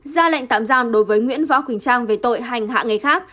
ra lệnh tạm giam đối với nguyễn võ quỳnh trang về tội hành hạ người khác